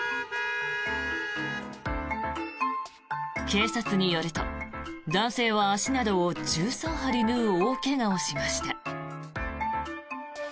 警察によると男性は足などを１３針縫う大怪我をしました。